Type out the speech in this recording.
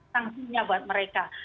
tantunya buat mereka